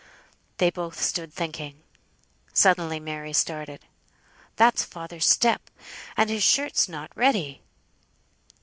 They both stood thinking. Suddenly Mary started. "That's father's step. And his shirt's not ready!"